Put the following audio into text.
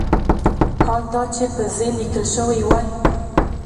حال دا چې په "ز" لیکل شوی وای.